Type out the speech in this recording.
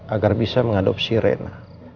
agar bisa mengadopsi rena